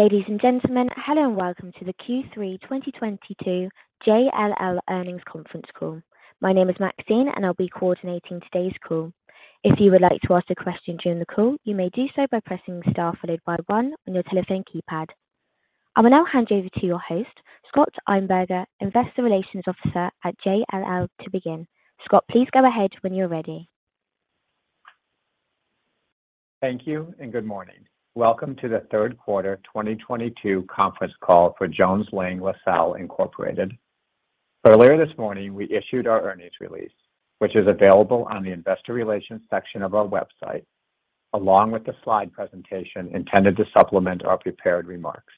Ladies and gentlemen, hello and Welcome to the Q3 2022 JLL Earnings Conference Call. My name is Maxine, and I'll be coordinating today's call. If you would like to ask a question during the call, you may do so by pressing star followed by one on your telephone keypad. I will now hand you over to your host, Scott Einberger, Investor Relations Officer at JLL to begin. Scott, please go ahead when you're ready. Thank you and good morning. Welcome to the Third Quarter 2022 Conference Call for Jones Lang LaSalle Incorporated. Earlier this morning, we issued our earnings release, which is available on the investor relations section of our website, along with the slide presentation intended to supplement our prepared remarks.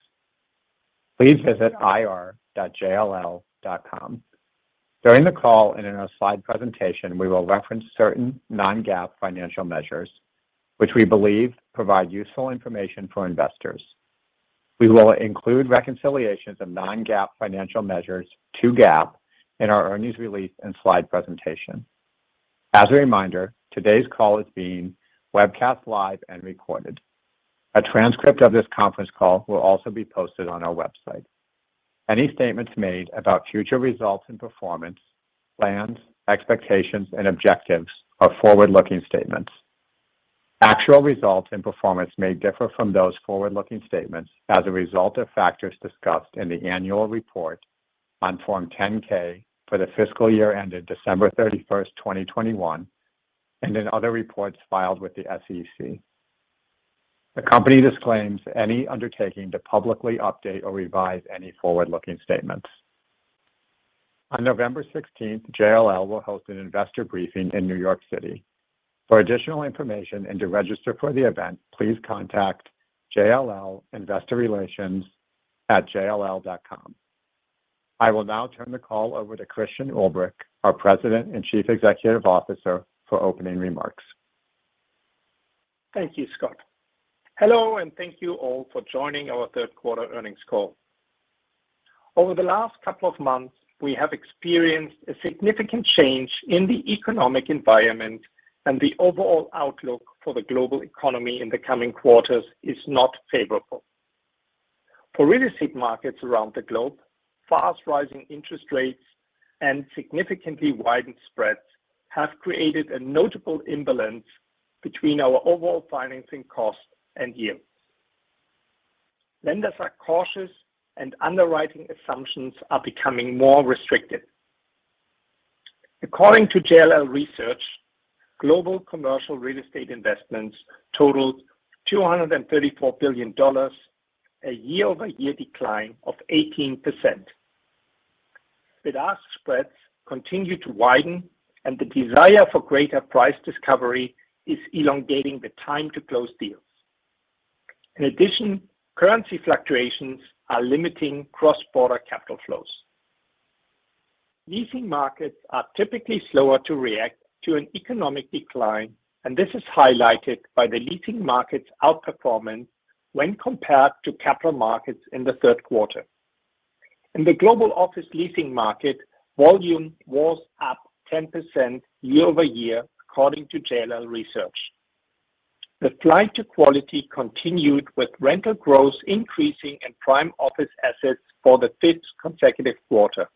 Please visit ir.jll.com. During the call and in our slide presentation, we will reference certain non-GAAP financial measures, which we believe provide useful information for investors. We will include reconciliations of non-GAAP financial measures to GAAP in our earnings release and slide presentation. As a reminder, today's call is being webcast live and recorded. A transcript of this conference call will also be posted on our website. Any statements made about future results and performance, plans, expectations, and objectives are forward-looking statements. Actual results and performance may differ from those forward-looking statements as a result of factors discussed in the annual report on Form 10-K for the fiscal year ended December 31st, 2021 and in other reports filed with the SEC. The company disclaims any undertaking to publicly update or revise any forward-looking statements. On November 16th, JLL will host an investor briefing in New York City. For additional information and to register for the event, please contact jllinvestorrelations@jll.com. I will now turn the call over to Christian Ulbrich, our President and Chief Executive Officer, for opening remarks. Thank you, Scott. Hello, and thank you all for joining Our Third Quarter Earnings Call. Over the last couple of months, we have experienced a significant change in the economic environment and the overall outlook for the global economy in the coming quarters is not favorable. For real estate markets around the globe, fast rising interest rates and significantly widened spreads have created a notable imbalance between our overall financing costs and yields. Lenders are cautious and underwriting assumptions are becoming more restricted. According to JLL Research, global commercial real estate investments totaled $234 billion, a year-over-year decline of 18%. Bid-ask spreads continue to widen and the desire for greater price discovery is elongating the time to close deals. In addition, currency fluctuations are limiting cross-border capital flows. Leasing markets are typically slower to react to an economic decline, and this is highlighted by the leasing market's outperformance when compared to Capital Markets in the third quarter. In the global office leasing market, volume was up 10% year-over-year, according to JLL Research. The flight to quality continued with rental growth increasing in prime office assets for the fifth consecutive quarter.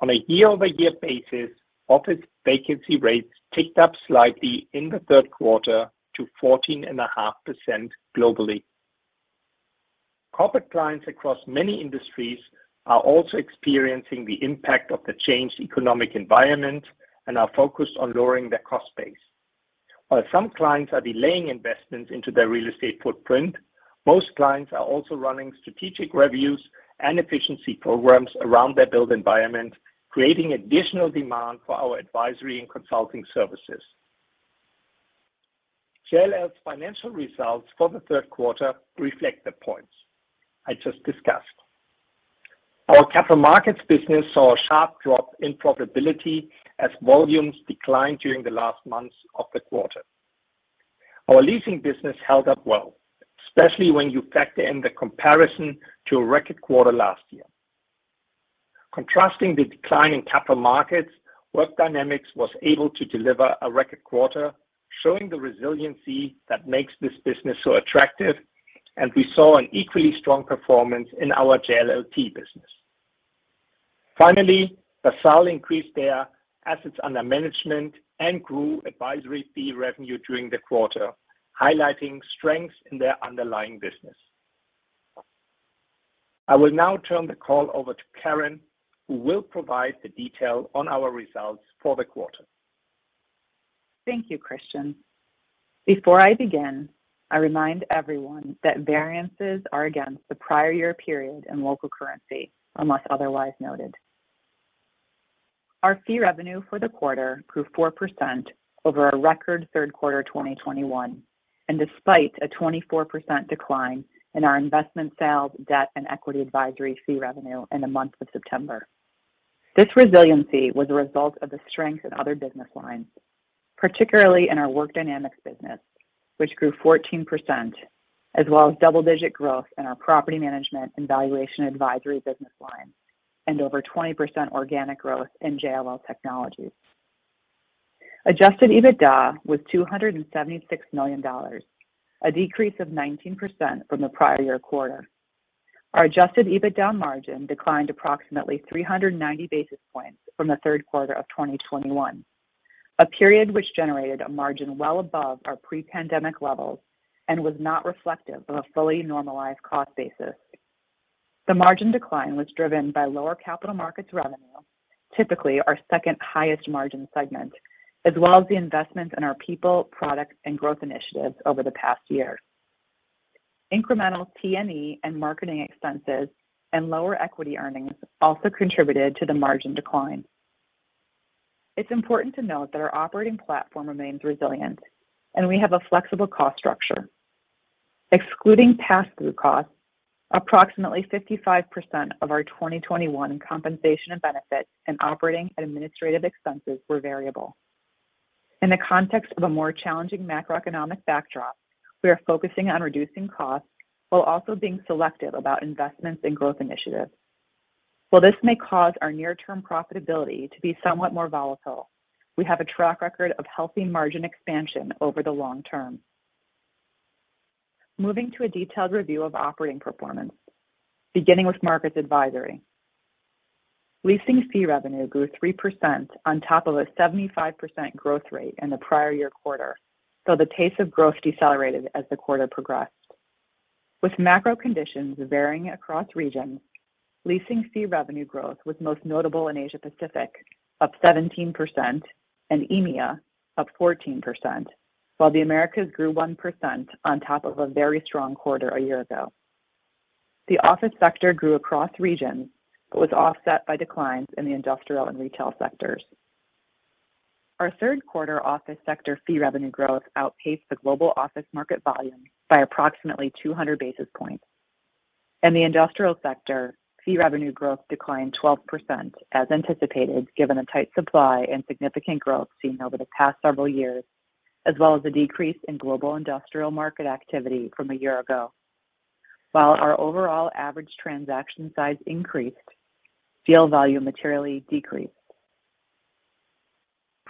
On a year-over-year basis, office vacancy rates ticked up slightly in the third quarter to 14.5% globally. Corporate clients across many industries are also experiencing the impact of the changed economic environment and are focused on lowering their cost base. While some clients are delaying investments into their real estate footprint, most clients are also running strategic reviews and efficiency programs around their built environment, creating additional demand for our advisory and consulting services. JLL's financial results for the third quarter reflect the points I just discussed. Our Capital Markets business saw a sharp drop in profitability as volumes declined during the last months of the quarter. Our leasing business held up well, especially when you factor in the comparison to a record quarter last year. Contrasting the decline in Capital Markets, Work Dynamics was able to deliver a record quarter, showing the resiliency that makes this business so attractive, and we saw an equally strong performance in our JLLT business. Finally, LaSalle increased their assets under management and grew advisory fee revenue during the quarter, highlighting strengths in their underlying business. I will now turn the call over to Karen, who will provide the detail on our results for the quarter. Thank you, Christian. Before I begin, I remind everyone that variances are against the prior year period in local currency, unless otherwise noted. Our fee revenue for the quarter grew 4% over a record third quarter 2021 and despite a 24% decline in our Investment Sales, debt, and equity advisory fee revenue in the month of September. This resiliency was a result of the strength in other business lines, particularly in our Work Dynamics business, which grew 14%, as well as double-digit growth in our property management and Valuation Advisory business lines and over 20% organic growth in JLL Technologies. Adjusted EBITDA was $276 million, a decrease of 19% from the prior year quarter. Our adjusted EBITDA margin declined approximately 390 basis points from the third quarter of 2021, a period which generated a margin well above our pre-pandemic levels and was not reflective of a fully normalized cost basis. The margin decline was driven by lower Capital Markets revenue, typically our second highest margin segment, as well as the investment in our people, products, and growth initiatives over the past year. Incremental P&E and marketing expenses and lower equity earnings also contributed to the margin decline. It's important to note that our operating platform remains resilient and we have a flexible cost structure. Excluding pass-through costs, approximately 55% of our 2021 compensation and benefits and operating and administrative expenses were variable. In the context of a more challenging macroeconomic backdrop, we are focusing on reducing costs while also being selective about investments in growth initiatives. While this may cause our near-term profitability to be somewhat more volatile, we have a track record of healthy margin expansion over the long term. Moving to a detailed review of operating performance, beginning with Markets Advisory. Leasing fee revenue grew 3% on top of a 75% growth rate in the prior year quarter, though the pace of growth decelerated as the quarter progressed. With macro conditions varying across regions, leasing fee revenue growth was most notable in Asia Pacific, up 17%, and EMEA, up 14%, while the Americas grew 1% on top of a very strong quarter a year ago. The office sector grew across regions, but was offset by declines in the industrial and retail sectors. Our third quarter office sector fee revenue growth outpaced the global office market volume by approximately 200 basis points. In the industrial sector, fee revenue growth declined 12% as anticipated, given the tight supply and significant growth seen over the past several years, as well as a decrease in global industrial market activity from a year ago. While our overall average transaction size increased, deal volume materially decreased.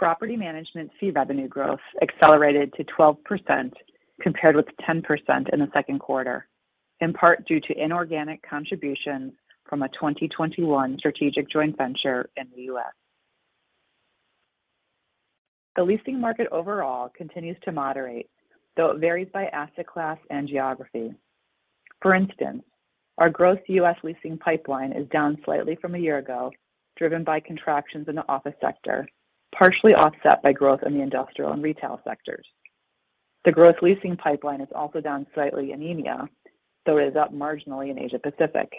Property management fee revenue growth accelerated to 12% compared with 10% in the second quarter, in part due to inorganic contributions from a 2021 strategic joint venture in the U.S. The leasing market overall continues to moderate, though it varies by asset class and geography. For instance, our gross U.S. leasing pipeline is down slightly from a year ago, driven by contractions in the office sector, partially offset by growth in the industrial and retail sectors. The gross leasing pipeline is also down slightly in EMEA, though it is up marginally in Asia Pacific.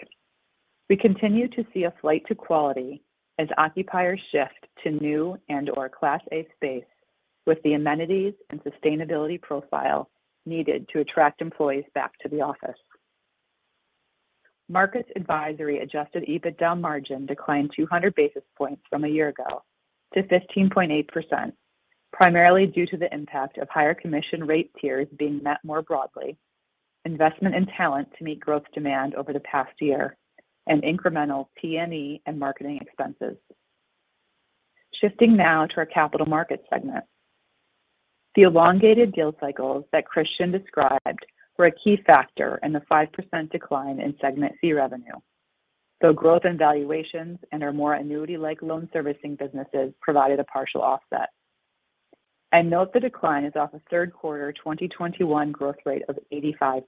We continue to see a flight to quality as occupiers shift to new and or Class A space with the amenities and sustainability profile needed to attract employees back to the office. Markets Advisory adjusted EBITDA margin declined 200 basis points from a year ago to 15.8%, primarily due to the impact of higher commission rate tiers being met more broadly, investment in talent to meet growth demand over the past year, and incremental T&E and marketing expenses. Shifting now to our Capital Markets segment. The elongated deal cycles that Christian described were a key factor in the 5% decline in segment fee revenue, though growth in valuations and our more annuity-like loan servicing businesses provided a partial offset. Note the decline is off a third quarter 2021 growth rate of 85%.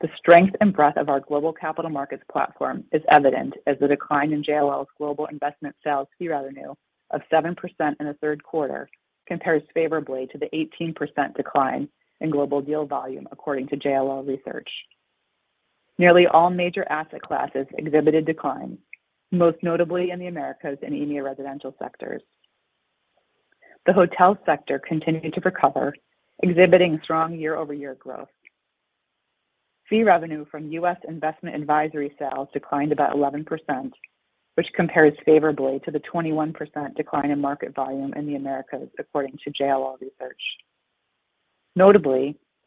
The strength and breadth of our global Capital Markets platform is evident as the decline in JLL's global Investment Sales fee revenue of 7% in the third quarter compares favorably to the 18% decline in global deal volume according to JLL Research. Nearly all major asset classes exhibited declines, most notably in the Americas and EMEA residential sectors. The hotel sector continued to recover, exhibiting strong year-over-year growth. Fee revenue from U.S. investment Advisory sales declined about 11%, which compares favorably to the 21% decline in market volume in the Americas according to JLL Research.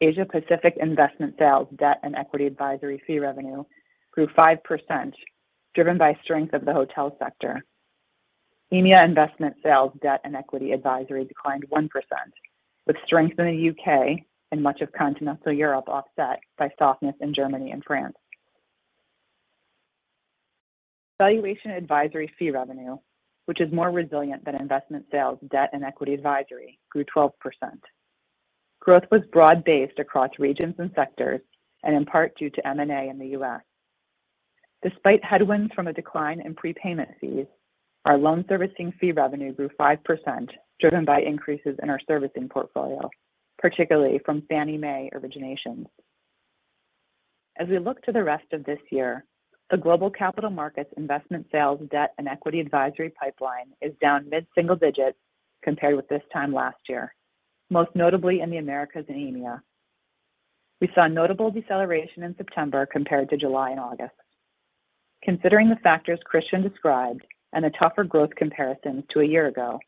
Notably, Asia-Pacific investment sales debt and equity advisory fee revenue grew 5%, driven by strength of the hotel sector. EMEA investment sales debt and equity advisory declined 1%, with strength in the U.K. and much of continental Europe offset by softness in Germany and France. Valuation Advisory fee revenue, which is more resilient than investment sales, debt and equity advisory, grew 12%. Growth was broad-based across regions and sectors and in part due to M&A in the U.S. Despite headwinds from a decline in prepayment fees, our loan servicing fee revenue grew 5%, driven by increases in our servicing portfolio, particularly from Fannie Mae originations. As we look to the rest of this year, the global Capital Markets investment sales, debt and equity advisory pipeline is down mid-single digits compared with this time last year, most notably in the Americas and EMEA. We saw notable deceleration in September compared to July and August. Considering the factors Christian described and the tougher growth comparisons to a year ago,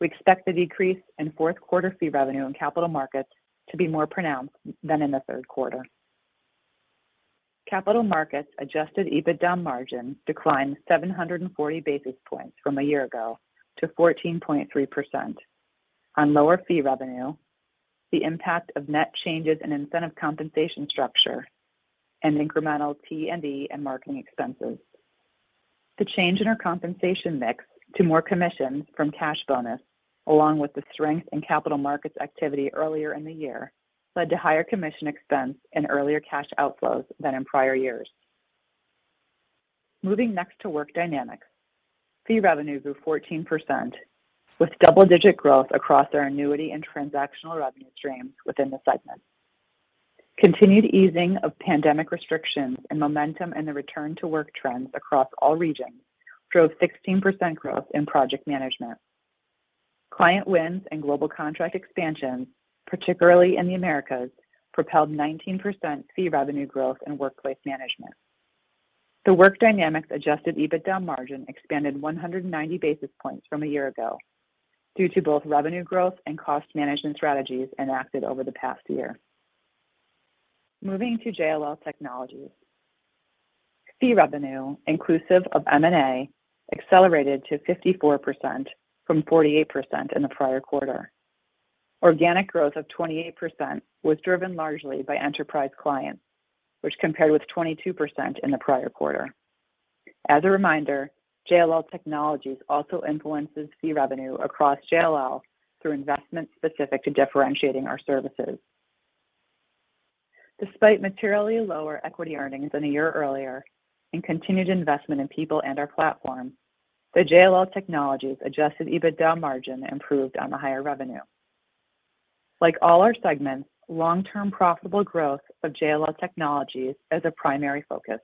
we expect the decrease in fourth quarter fee revenue in Capital Markets to be more pronounced than in the third quarter. Capital Markets adjusted EBITDA margin declined 740 basis points from a year ago to 14.3% on lower fee revenue, the impact of net changes in incentive compensation structure, and incremental T&E and marketing expenses. The change in our compensation mix to more commissions from cash bonus, along with the strength in Capital Markets activity earlier in the year, led to higher commission expense and earlier cash outflows than in prior years. Moving next to Work Dynamics. Fee revenue grew 14% with double-digit growth across our annuity and transactional revenue streams within the segment. Continued easing of pandemic restrictions and momentum in the return to work trends across all regions drove 16% growth in Project Management. Client wins and global contract expansions, particularly in the Americas, propelled 19% fee revenue growth in Workplace Management. The Work Dynamics adjusted EBITDA margin expanded 190 basis points from a year ago due to both revenue growth and cost management strategies enacted over the past year. Moving to JLL Technologies. Fee revenue inclusive of M&A accelerated to 54% from 48% in the prior quarter. Organic growth of 28% was driven largely by enterprise clients, which compared with 22% in the prior quarter. As a reminder, JLL Technologies also influences fee revenue across JLL through investments specific to differentiating our services. Despite materially lower equity earnings than a year earlier and continued investment in people and our platform, the JLL Technologies adjusted EBITDA margin improved on the higher revenue. Like all our segments, long-term profitable growth of JLL Technologies is a primary focus.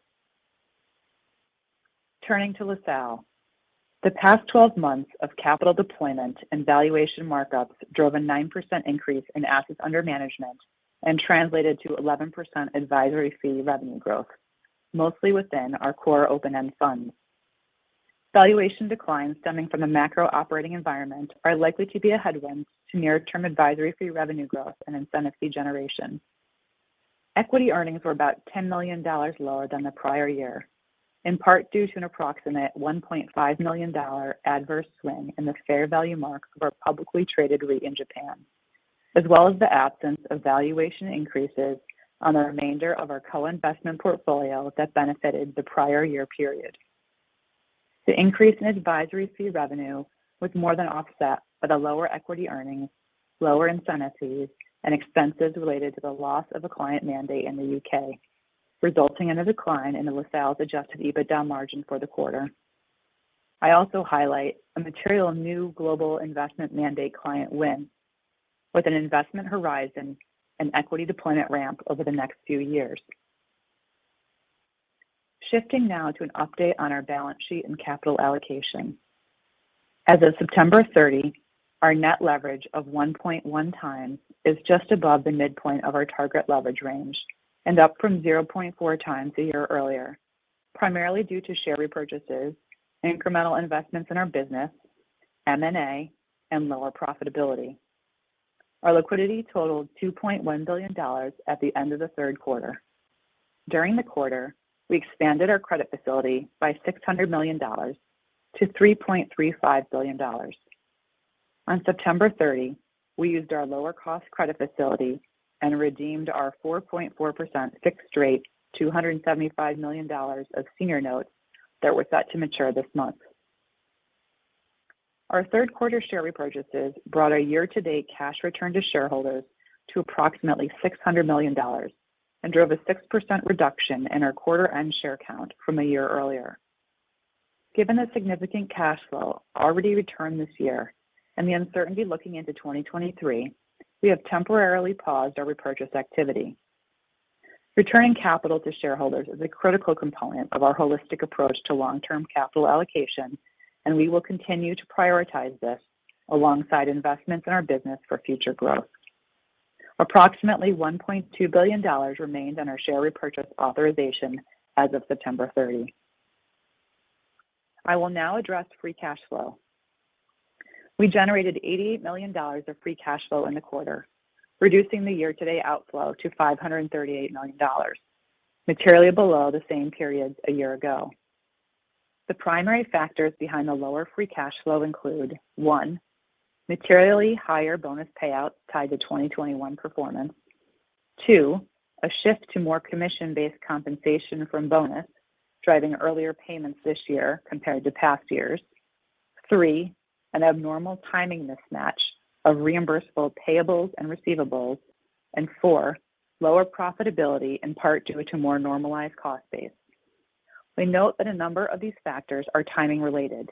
Turning to LaSalle. The past 12 months of capital deployment and valuation markups drove a 9% increase in assets under management and translated to 11% advisory fee revenue growth, mostly within our core open-end funds. Valuation declines stemming from the macro operating environment are likely to be a headwind to near-term advisory fee revenue growth and incentive fee generation. Equity earnings were about $10 million lower than the prior year, in part due to an approximate $1.5 million adverse swing in the fair value marks of our publicly traded REIT in Japan, as well as the absence of valuation increases on the remainder of our co-investment portfolio that benefited the prior year period. The increase in advisory fee revenue was more than offset by the lower equity earnings, lower incentive fees, and expenses related to the loss of a client mandate in the U.K., resulting in a decline in the LaSalle's adjusted EBITDA margin for the quarter. I also highlight a material new global investment mandate client win with an investment horizon and equity deployment ramp over the next few years. Shifting now to an update on our balance sheet and capital allocation. As of September 30, our net leverage of 1.1 x is just above the midpoint of our target leverage range and up from 0.4x a year earlier, primarily due to share repurchases, incremental investments in our business, M&A, and lower profitability. Our liquidity totaled $2.1 billion at the end of the third quarter. During the quarter, we expanded our credit facility by $600 million-$3.35 billion. On September 30, we used our lower cost credit facility and redeemed our 4.4% fixed rate, $275 million of senior notes that were set to mature this month. Our third quarter share repurchases brought our year-to-date cash return to shareholders to approximately $600 million and drove a 6% reduction in our quarter end share count from a year earlier. Given the significant cash flow already returned this year and the uncertainty looking into 2023, we have temporarily paused our repurchase activity. Returning capital to shareholders is a critical component of our holistic approach to long-term capital allocation, and we will continue to prioritize this alongside investments in our business for future growth. Approximately $1.2 billion remains on our share repurchase authorization as of September 30. I will now address free cash flow. We generated $88 million of free cash flow in the quarter, reducing the year-to-date outflow to $538 million, materially below the same period a year ago. The primary factors behind the lower free cash flow include, one, materially higher bonus payouts tied to 2021 performance. Two, a shift to more commission-based compensation from bonus, driving earlier payments this year compared to past years. Three, an abnormal timing mismatch of reimbursable payables and receivables. Four, lower profitability in part due to more normalized cost base. We note that a number of these factors are timing related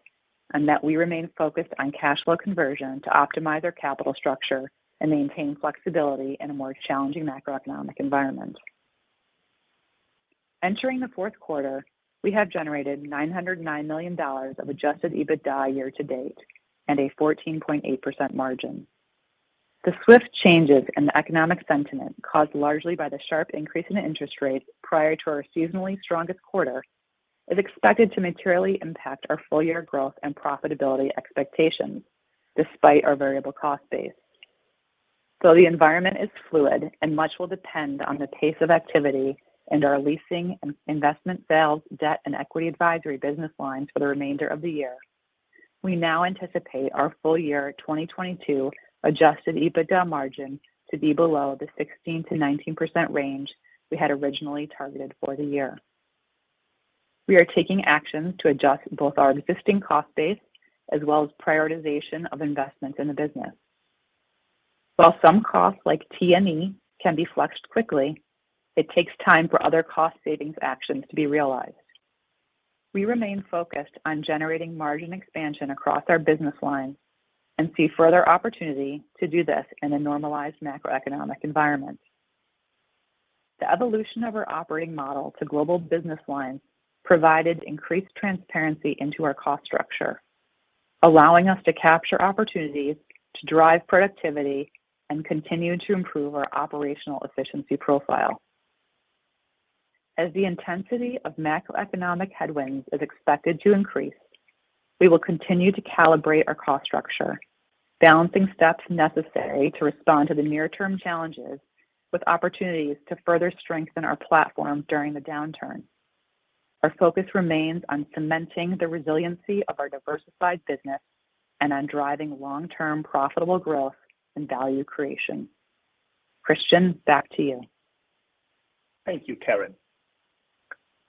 and that we remain focused on cash flow conversion to optimize our capital structure and maintain flexibility in a more challenging macroeconomic environment. Entering the fourth quarter, we have generated $909 million of adjusted EBITDA year to date and a 14.8% margin. The swift changes in the economic sentiment caused largely by the sharp increase in interest rates prior to our seasonally strongest quarter is expected to materially impact our full-year growth and profitability expectations despite our variable cost base. The environment is fluid and much will depend on the pace of activity and our leasing and investment sales, debt, and equity advisory business lines for the remainder of the year. We now anticipate our full-year 2022 adjusted EBITDA margin to be below the 16%-19% range we had originally targeted for the year. We are taking actions to adjust both our existing cost base as well as prioritization of investments in the business. While some costs like T&E can be flexed quickly, it takes time for other cost savings actions to be realized. We remain focused on generating margin expansion across our business lines and see further opportunity to do this in a normalized macroeconomic environment. The evolution of our operating model to global business lines provided increased transparency into our cost structure, allowing us to capture opportunities to drive productivity and continue to improve our operational efficiency profile. As the intensity of macroeconomic headwinds is expected to increase, we will continue to calibrate our cost structure, balancing steps necessary to respond to the near term challenges with opportunities to further strengthen our platform during the downturn. Our focus remains on cementing the resiliency of our diversified business and on driving long-term profitable growth and value creation. Christian, back to you. Thank you, Karen.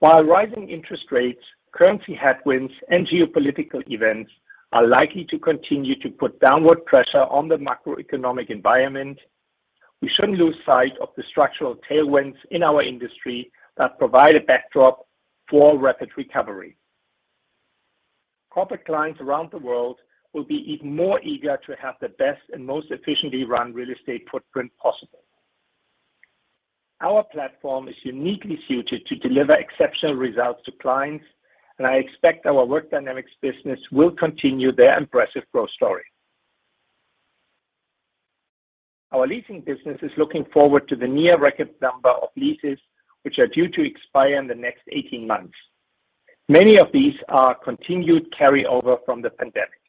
While rising interest rates, currency headwinds, and geopolitical events are likely to continue to put downward pressure on the macroeconomic environment, we shouldn't lose sight of the structural tailwinds in our industry that provide a backdrop for rapid recovery. Corporate clients around the world will be even more eager to have the best and most efficiently run real estate footprint possible. Our platform is uniquely suited to deliver exceptional results to clients, and I expect our Work Dynamics business will continue their impressive growth story. Our leasing business is looking forward to the near record number of leases, which are due to expire in the next 18 months. Many of these are continued carryover from the pandemic.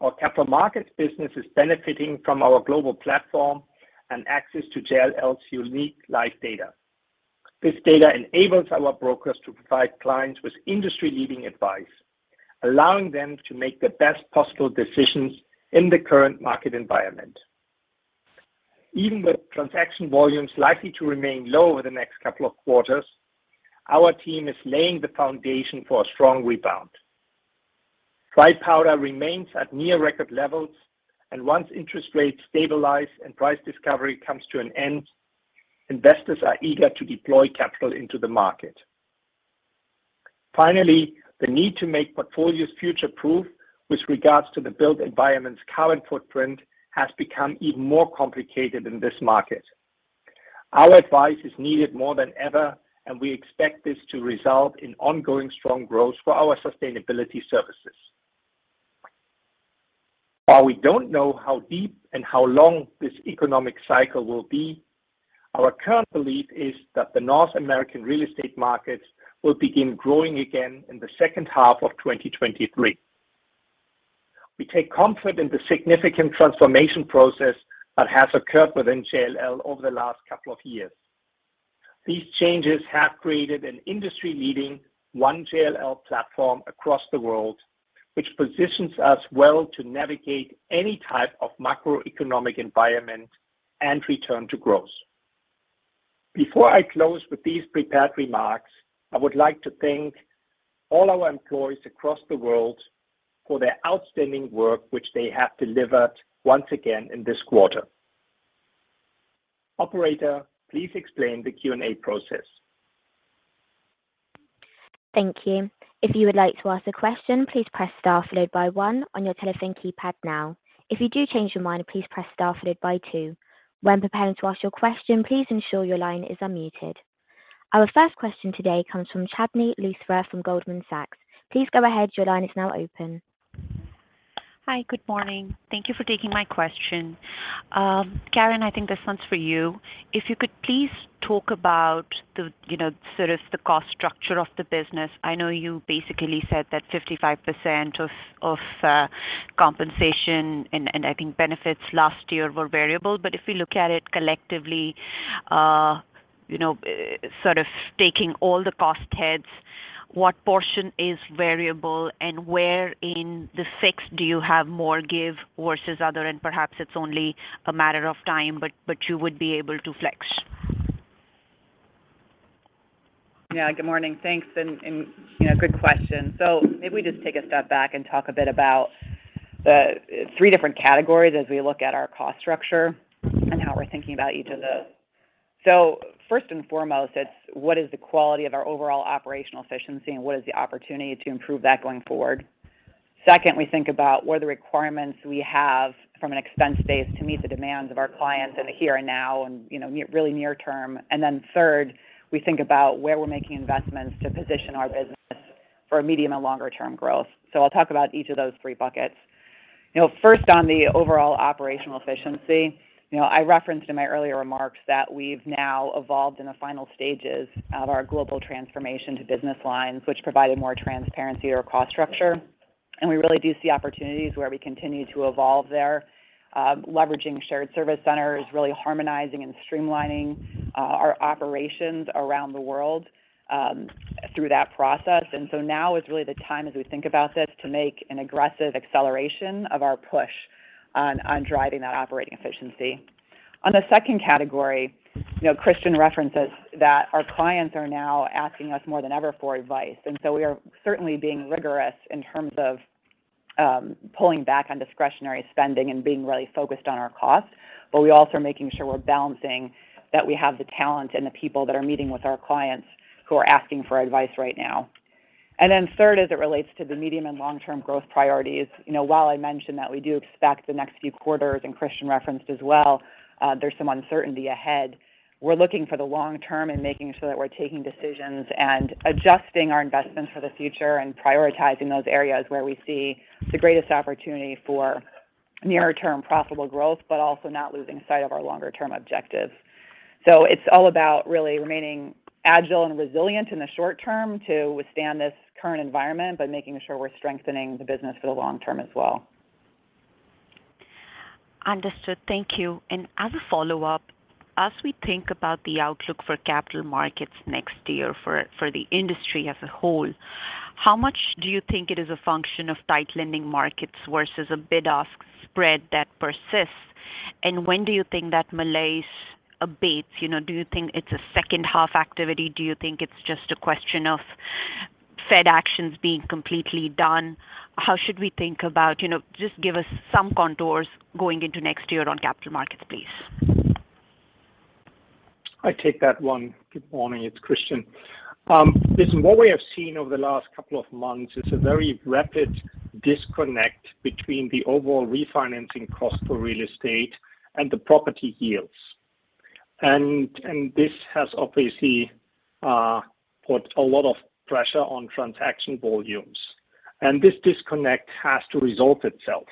Our Capital Markets business is benefiting from our global platform and access to JLL's unique live data. This data enables our brokers to provide clients with industry-leading advice, allowing them to make the best possible decisions in the current market environment. Even with transaction volumes likely to remain low over the next couple of quarters, our team is laying the foundation for a strong rebound. Dry powder remains at near record levels, and once interest rates stabilize and price discovery comes to an end, investors are eager to deploy capital into the market. Finally, the need to make portfolios future-proof with regards to the built environment's current footprint has become even more complicated in this market. Our advice is needed more than ever, and we expect this to result in ongoing strong growth for our sustainability services. While we don't know how deep and how long this economic cycle will be, our current belief is that the North American real estate markets will begin growing again in the second half of 2023. We take comfort in the significant transformation process that has occurred within JLL over the last couple of years. These changes have created an industry-leading, One JLL platform across the world, which positions us well to navigate any type of macroeconomic environment and return to growth. Before I close with these prepared remarks, I would like to thank all our employees across the world for their outstanding work, which they have delivered once again in this quarter. Operator, please explain the Q&A process. Thank you. If you would like to ask a question, please press star followed by one on your telephone keypad now. If you do change your mind, please press star followed by two. When preparing to ask your question, please ensure your line is unmuted. Our first question today comes from Chandni Luthra from Goldman Sachs. Please go ahead. Your line is now open. Hi. Good morning. Thank you for taking my question. Karen, I think this one's for you. If you could please talk about the, you know, sort of the cost structure of the business. I know you basically said that 55% of compensation and I think benefits last year were variable. If we look at it collectively, you know, sort of taking all the cost heads, what portion is variable? Where in the fixed do you have more give vs other? Perhaps it's only a matter of time, but you would be able to flex. Yeah. Good morning. Thanks. You know, good question. Maybe we just take a step back and talk a bit about the three different categories as we look at our cost structure and how we're thinking about each of those. First and foremost, it's what is the quality of our overall operational efficiency and what is the opportunity to improve that going forward. Second, we think about what are the requirements we have from an expense base to meet the demands of our clients in the here and now and, you know, near, really near term. Third, we think about where we're making investments to position our business for medium and longer term growth. I'll talk about each of those three buckets. You know, first, on the overall operational efficiency. You know, I referenced in my earlier remarks that we've now evolved in the final stages of our global transformation to business lines, which provided more transparency to our cost structure. We really do see opportunities where we continue to evolve there. Leveraging shared service centers, really harmonizing and streamlining our operations around the world through that process. Now is really the time as we think about this to make an aggressive acceleration of our push on driving that operating efficiency. On the second category, you know, Christian references that our clients are now asking us more than ever for advice. We are certainly being rigorous in terms of pulling back on discretionary spending and being really focused on our costs, but we also are making sure we're balancing that we have the talent and the people that are meeting with our clients who are asking for advice right now. Then third, as it relates to the medium and long-term growth priorities, you know, while I mentioned that we do expect the next few quarters, and Christian referenced as well, there's some uncertainty ahead. We're looking for the long term and making sure that we're taking decisions and adjusting our investments for the future and prioritizing those areas where we see the greatest opportunity for near-term profitable growth, but also not losing sight of our longer term objectives. It's all about really remaining agile and resilient in the short term to withstand this current environment, but making sure we're strengthening the business for the long term as well. Understood. Thank you. As a follow-up, as we think about the outlook for Capital Markets next year for the industry as a whole, how much do you think it is a function of tight lending markets vs a bid-ask spread that persists? When do you think that malaise abates? You know, do you think it's a second-half activity? Do you think it's just a question of Fed actions being completely done? How should we think about? You know, just give us some contours going into next year on Capital Markets, please. I take that one. Good morning. It's Christian. Listen, what we have seen over the last couple of months is a very rapid disconnect between the overall refinancing cost for real estate and the property yields. This has obviously put a lot of pressure on transaction volumes, and this disconnect has to resolve itself.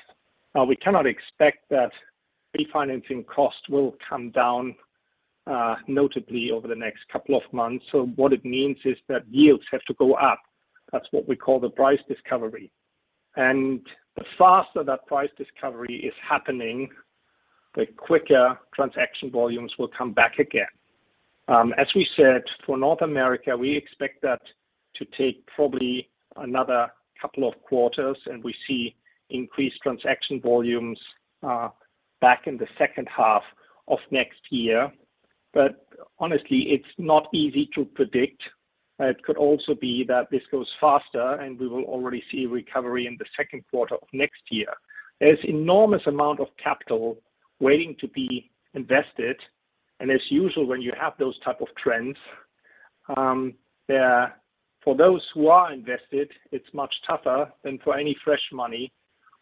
We cannot expect that refinancing costs will come down notably over the next couple of months. What it means is that yields have to go up. That's what we call the price discovery. The faster that price discovery is happening, the quicker transaction volumes will come back again. As we said, for North America, we expect that to take probably another couple of quarters, and we see increased transaction volumes back in the second half of next year. Honestly, it's not easy to predict. It could also be that this goes faster, and we will already see recovery in the second quarter of next year. There's enormous amount of capital waiting to be invested, and as usual, when you have those type of trends, for those who are invested, it's much tougher than for any fresh money,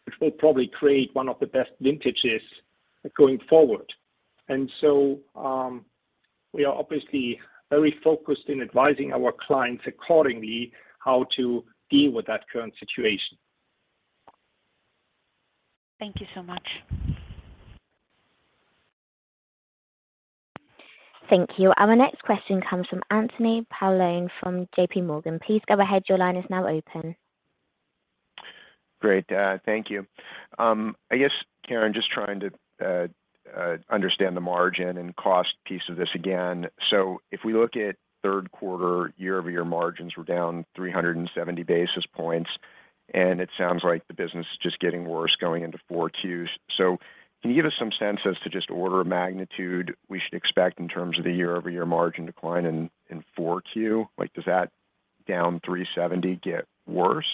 which will probably create one of the best vintages going forward. We are obviously very focused in advising our clients accordingly how to deal with that current situation. Thank you so much. Thank you. Our next question comes from Anthony Paolone from JPMorgan. Please go ahead. Your line is now open. Great. Thank you. I guess, Karen, just trying to understand the margin and cost piece of this again. If we look at third quarter, year-over-year margins were down 370 basis points, and it sounds like the business is just getting worse going into four two. Can you give us some sense as to just order of magnitude we should expect in terms of the year-over-year margin decline in four two? Like, does that down 370 get worse?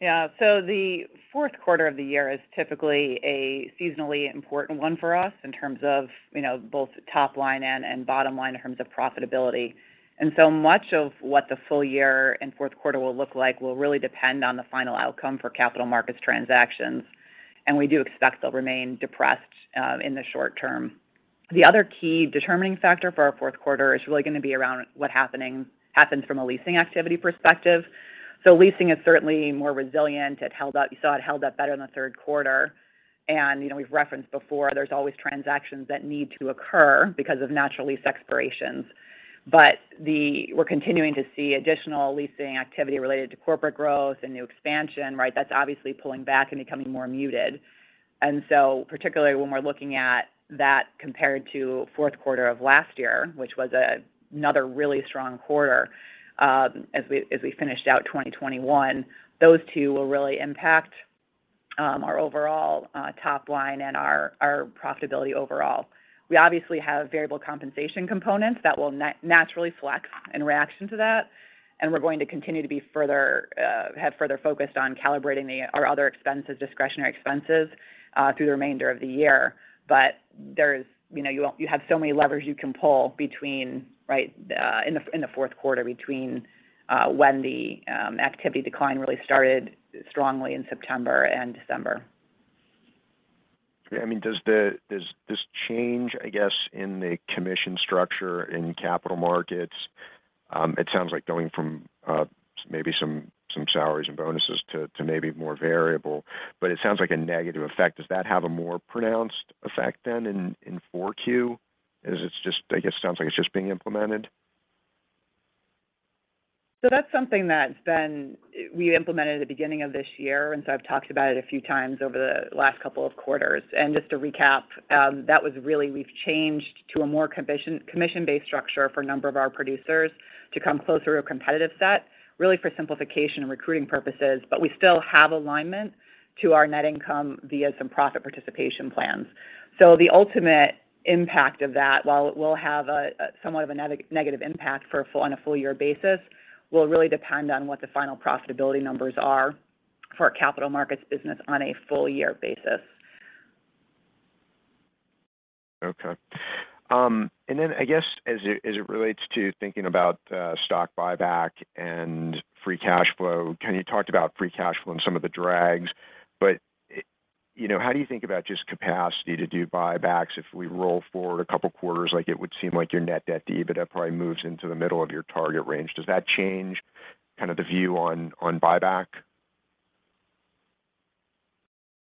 Yeah. The fourth quarter of the year is typically a seasonally important one for us in terms of, you know, both top line and bottom line in terms of profitability. Much of what the full year and fourth quarter will look like will really depend on the final outcome for Capital Markets transactions, and we do expect they'll remain depressed in the short term. The other key determining factor for our fourth quarter is really gonna be around what happens from a leasing activity perspective. Leasing is certainly more resilient. You saw it held up better in the third quarter. You know, we've referenced before, there's always transactions that need to occur because of natural lease expirations. But we're continuing to see additional leasing activity related to corporate growth and new expansion, right? That's obviously pulling back and becoming more muted. Particularly when we're looking at that compared to fourth quarter of last year, which was another really strong quarter, as we finished out 2021, those two will really impact our overall top line and our profitability overall. We obviously have variable compensation components that will naturally flex in reaction to that, and we're going to continue to have further focused on calibrating our other expenses, discretionary expenses, through the remainder of the year. You know, you have so many levers you can pull between, right, in the fourth quarter between when the activity decline really started strongly in September and December. Yeah. I mean, does this change, I guess, in the commission structure in Capital Markets, it sounds like going from maybe some salaries and bonuses to maybe more variable, but it sounds like a negative effect. Does that have a more pronounced effect than in 4Q? Is it just, I guess, it sounds like it's just being implemented. That's something we implemented at the beginning of this year. I've talked about it a few times over the last couple of quarters. Just to recap, that was really we've changed to a more commission-based structure for a number of our producers to come closer to a competitive set, really for simplification and recruiting purposes. We still have alignment to our net income via some profit participation plans. The ultimate impact of that, while it will have a somewhat of a negative impact on a full year basis, will really depend on what the final profitability numbers are for our Capital Markets business on a full year basis. Okay. I guess as it relates to thinking about stock buyback and free cash flow. Karen talked about free cash flow and some of the drags, but you know, how do you think about just capacity to do buybacks if we roll forward a couple quarters? Like, it would seem like your net debt to EBITDA probably moves into the middle of your target range. Does that change kind of the view on buyback?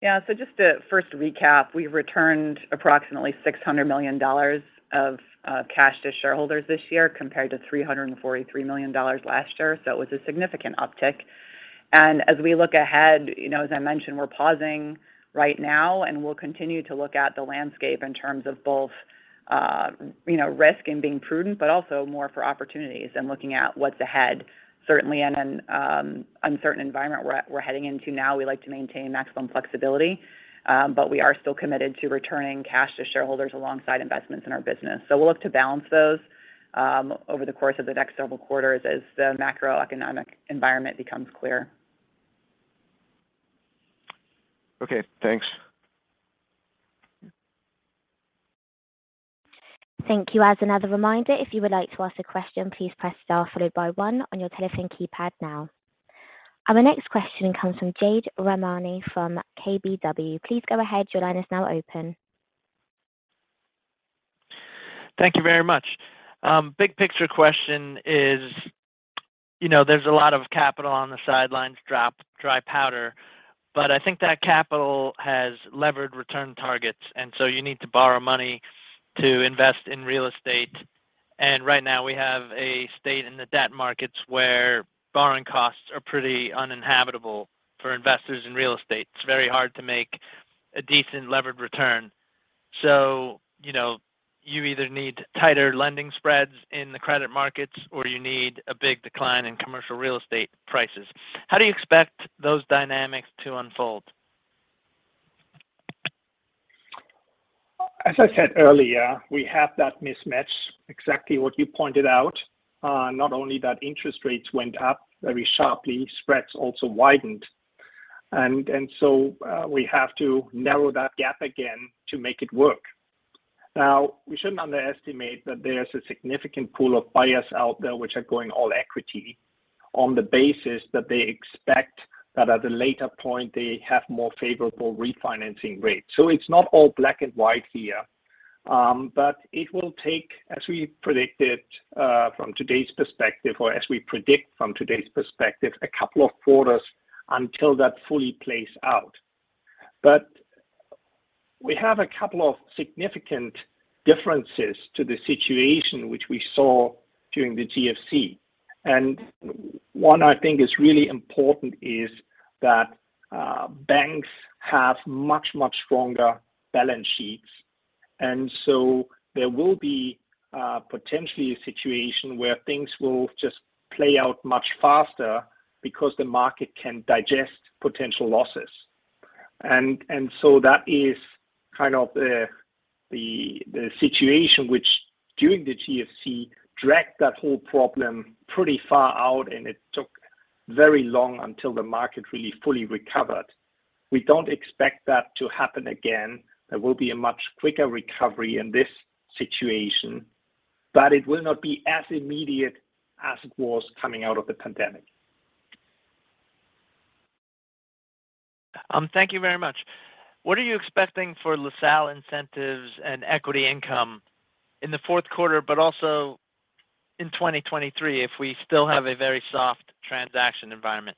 Yeah. Just to first recap, we returned approximately $600 million of cash to shareholders this year compared to $343 million last year. It was a significant uptick. As we look ahead, you know, as I mentioned, we're pausing right now, and we'll continue to look at the landscape in terms of both, you know, risk and being prudent, but also more for opportunities and looking at what's ahead. Certainly in an uncertain environment we're heading into now, we like to maintain maximum flexibility. But we are still committed to returning cash to shareholders alongside investments in our business. We'll look to balance those over the course of the next several quarters as the macroeconomic environment becomes clear. Okay, thanks. Thank you. As another reminder, if you would like to ask a question, please press star followed by one on your telephone keypad now. Our next question comes from Jade Rahmani from KBW. Please go ahead. Your line is now open. Thank you very much. Big picture question is, you know, there's a lot of capital on the sidelines dry powder, but I think that capital has levered return targets, and so you need to borrow money to invest in real estate. Right now we have a situation in the debt markets where borrowing costs are pretty untenable for investors in real estate. It's very hard to make a decent levered return. You know, you either need tighter lending spreads in the credit markets, or you need a big decline in commercial real estate prices. How do you expect those dynamics to unfold? As I said earlier, we have that mismatch, exactly what you pointed out. Not only that interest rates went up very sharply, spreads also widened. We have to narrow that gap again to make it work. Now, we shouldn't underestimate that there's a significant pool of buyers out there which are going all equity on the basis that they expect that at a later point they have more favorable refinancing rates. It's not all black and white here. It will take, as we predicted, from today's perspective or as we predict from today's perspective, a couple of quarters until that fully plays out. We have a couple of significant differences to the situation which we saw during the GFC. One I think is really important is that banks have much, much stronger balance sheets. There will be potentially a situation where things will just play out much faster because the market can digest potential losses. That is kind of the situation which during the GFC dragged that whole problem pretty far out, and it took very long until the market really fully recovered. We don't expect that to happen again. There will be a much quicker recovery in this situation, but it will not be as immediate as it was coming out of the pandemic. Thank you very much. What are you expecting for LaSalle incentives and equity income in the fourth quarter, but also in 2023 if we still have a very soft transaction environment?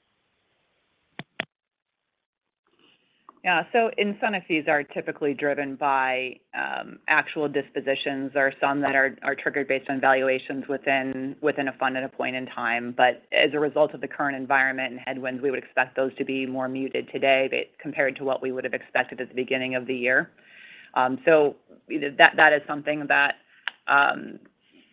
Yeah. Incentive fees are typically driven by actual dispositions or some that are triggered based on valuations within a fund at a point in time. As a result of the current environment and headwinds, we would expect those to be more muted compared to what we would have expected at the beginning of the year. That is something that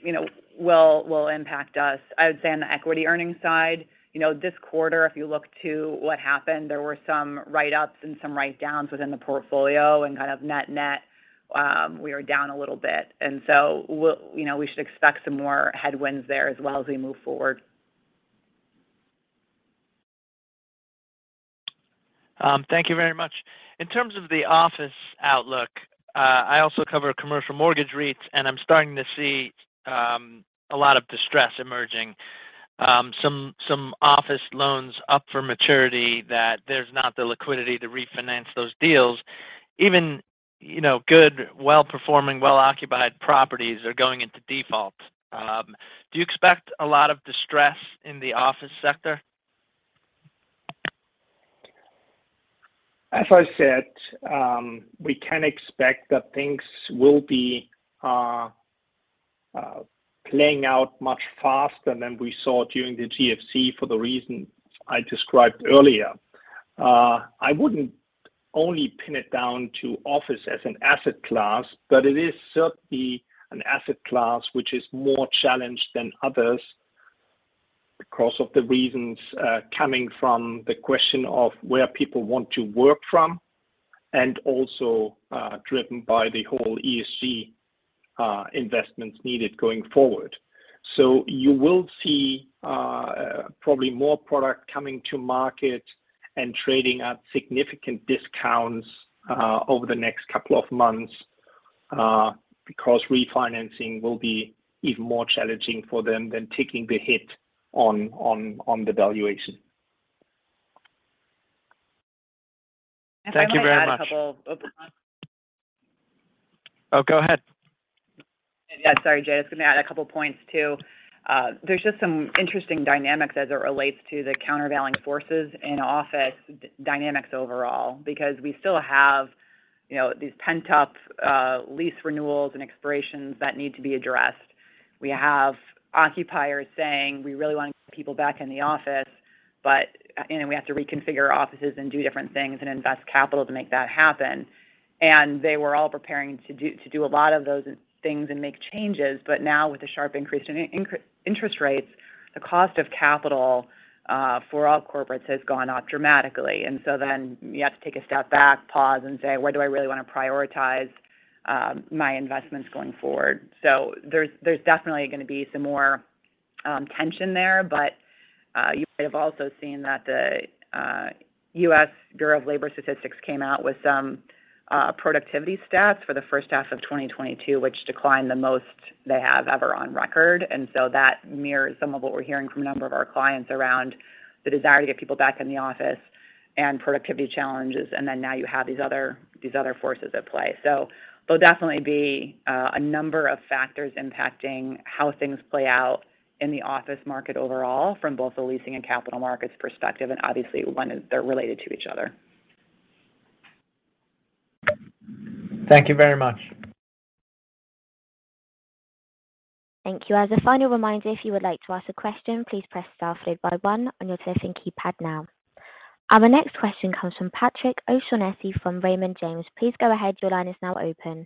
you know will impact us. I would say on the equity earnings side, you know, this quarter, if you look to what happened, there were some write-ups and some write-downs within the portfolio and kind of net net, we are down a little bit. You know, we should expect some more headwinds there as well as we move forward. Thank you very much. In terms of the office outlook, I also cover commercial mortgage REITs, and I'm starting to see a lot of distress emerging. Some office loans up for maturity that there's not the liquidity to refinance those deals. Even, you know, good, well-performing, well-occupied properties are going into default. Do you expect a lot of distress in the office sector? As I said, we can expect that things will be playing out much faster than we saw during the GFC for the reason I described earlier. I wouldn't only pin it down to office as an asset class, but it is certainly an asset class which is more challenged than others because of the reasons coming from the question of where people want to work from and also driven by the whole ESG investments needed going forward. You will see probably more product coming to market and trading at significant discounts over the next couple of months because refinancing will be even more challenging for them than taking the hit on the valuation. Thank you very much. If I might add a couple of. Oh, go ahead. Yeah, sorry, Jay. I was gonna add a couple of points too. There's just some interesting dynamics as it relates to the countervailing forces in office dynamics overall because we still have, you know, these pent-up lease renewals and expirations that need to be addressed. We have occupiers saying, "We really wanna get people back in the office," but, you know, we have to reconfigure offices and do different things and invest capital to make that happen. They were all preparing to do a lot of those things and make changes, but now with the sharp increase in interest rates, the cost of capital for all corporates has gone up dramatically. You have to take a step back, pause, and say, "Where do I really wanna prioritize my investments going forward?" There's definitely gonna be some more tension there. You have also seen that the U.S. Bureau of Labor Statistics came out with some productivity stats for the first half of 2022, which declined the most they have ever on record. That mirrors some of what we're hearing from a number of our clients around the desire to get people back in the office and productivity challenges, and then now you have these other forces at play. There'll definitely be a number of factors impacting how things play out in the office market overall from both the leasing and Capital Markets perspective, and obviously one is they're related to each other. Thank you very much. Thank you. As a final reminder, if you would like to ask a question, please press star followed by one on your telephone keypad now. Our next question comes from Patrick O'Shaughnessy from Raymond James. Please go ahead. Your line is now open.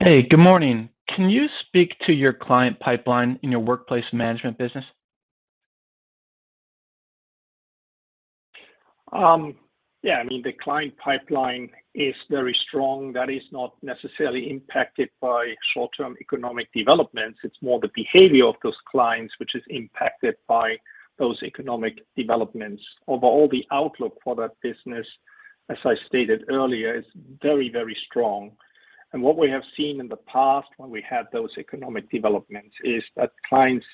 Hey, good morning. Can you speak to your client pipeline in your Workplace Management business? Yeah. I mean, the client pipeline is very strong. That is not necessarily impacted by short-term economic developments. It's more the behavior of those clients which is impacted by those economic developments. Overall, the outlook for that business, as I stated earlier, is very, very strong. What we have seen in the past when we had those economic developments is that clients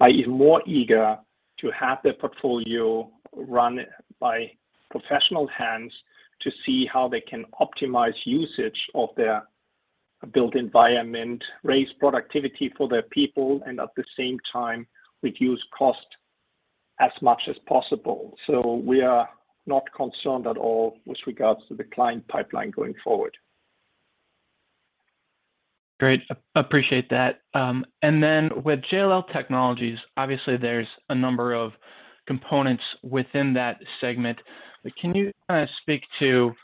are even more eager to have their portfolio run by professional hands to see how they can optimize usage of their built environment, raise productivity for their people, and at the same time, reduce cost as much as possible. We are not concerned at all with regards to the client pipeline going forward. Great. Appreciate that. With JLL Technologies, obviously there's a number of components within that segment. Can you kinda speak to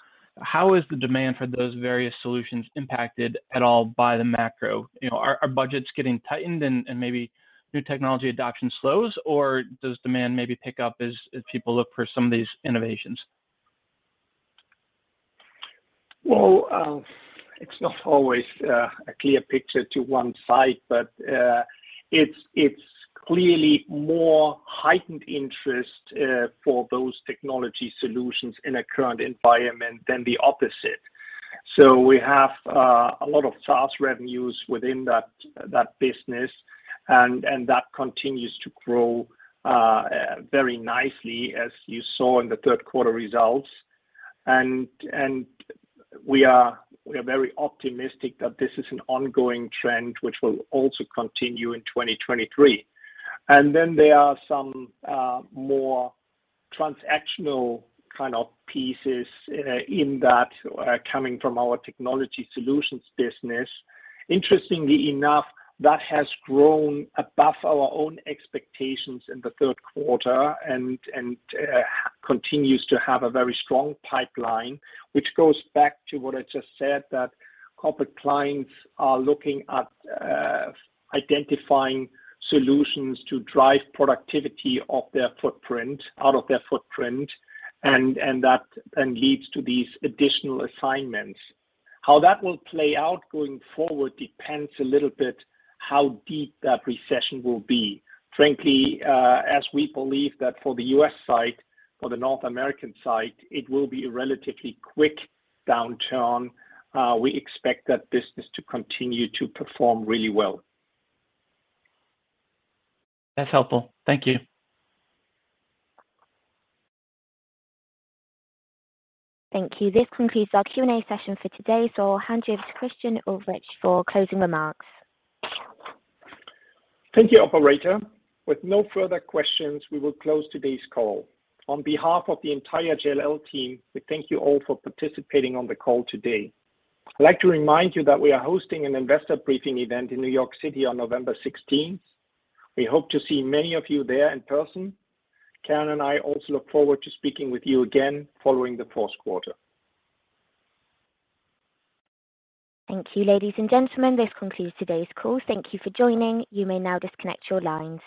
how is the demand for those various solutions impacted at all by the macro? You know, are budgets getting tightened and maybe new technology adoption slows, or does demand maybe pick up as people look for some of these innovations? Well, it's not always a clear picture to one side, but it's clearly more heightened interest for those technology solutions in a current environment than the opposite. We have a lot of SaaS revenues within that business and that continues to grow very nicely as you saw in the third quarter results. We are very optimistic that this is an ongoing trend which will also continue in 2023. Then there are some more transactional kind of pieces in that coming from our technology solutions business. Interestingly enough, that has grown above our own expectations in the third quarter and continues to have a very strong pipeline, which goes back to what I just said, that corporate clients are looking at identifying solutions to drive productivity of their footprint out of their footprint and that then leads to these additional assignments. How that will play out going forward depends a little bit how deep that recession will be. Frankly, as we believe that for the U.S. side, for the North American side, it will be a relatively quick downturn. We expect that business to continue to perform really well. That's helpful. Thank you. Thank you. This concludes our Q&A session for today. I'll hand you over to Christian Ulbrich for closing remarks. Thank you, operator. With no further questions, we will close today's call. On behalf of the entire JLL team, we thank you all for participating on the call today. I'd like to remind you that we are hosting an investor briefing event in New York City on November 16th. We hope to see many of you there in person. Karen and I also look forward to speaking with you again following the fourth quarter. Thank you, ladies and gentlemen. This concludes today's call. Thank you for joining. You may now disconnect your lines.